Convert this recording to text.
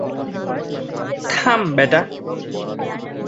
থাম, বেটা!